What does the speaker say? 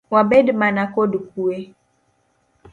Wabed mana kod kue.